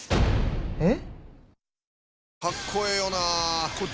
えっ？